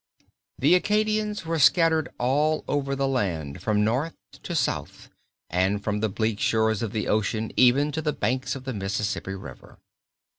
The Acadians were scattered all over the land from north to south and from the bleak shores of the ocean even to the banks of the Mississippi River.